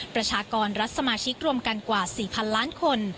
ประชากรรัฐสมาชิกรวมกันกว่า๔๐๐๐ล้านคน